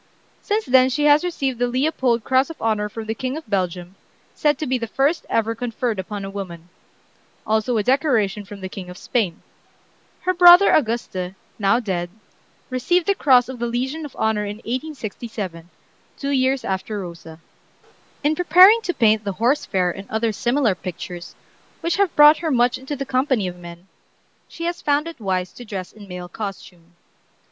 Since then she has received the Leopold Cross of Honor from the King of Belgium, said to be the first ever conferred upon a woman; also a decoration from the King of Spain. Her brother Auguste, now dead, received the Cross of the Legion of Honor in 1867, two years after Rosa. In preparing to paint the "Horse Fair" and other similar pictures, which have brought her much into the company of men, she has found it wise to dress in male costume.